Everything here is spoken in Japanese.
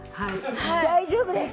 大丈夫です！